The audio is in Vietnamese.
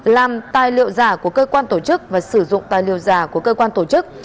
làm tài liệu giả của cơ quan tổ chức và sử dụng tài liệu giả của cơ quan tổ chức